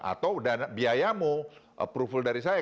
atau biayamu approval dari saya